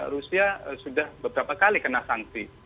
rusia sudah beberapa kali kena sanksi